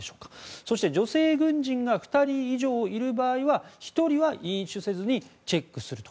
そして、女性軍人が２人以上いる場合は１人は飲酒せずにチェックすると。